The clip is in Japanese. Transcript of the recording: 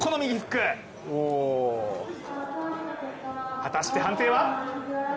果たして判定は？